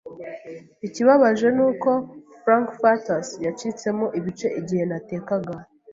"Ikibabaje ni uko frankfurters yacitsemo ibice igihe natekaga.